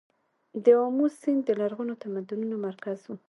د امو سیند د لرغونو تمدنونو مرکز و